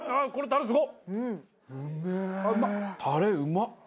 タレうまっ！